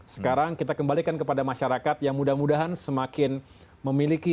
sekarang kita kembalikan kepada masyarakat yang mudah mudahan semakin memiliki